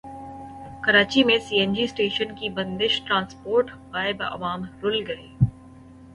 کراچی میں C N G stations کی بندش ٹرانسپورٹ غائب عوام رل گئے